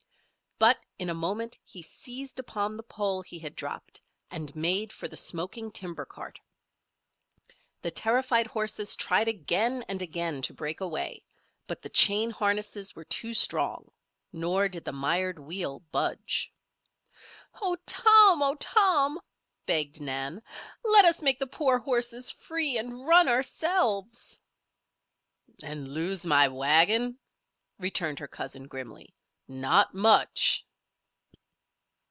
But in a moment he seized upon the pole he had dropped and made for the smoking timber cart. The terrified horses tried again and again to break away; but the chain harnesses were too strong; nor did the mired wheel budge. "Oh, Tom! Oh, Tom!" begged Nan. "Let us make the poor horses free, and run ourselves." "And lose my wagon?" returned her cousin, grimly. "Not much!"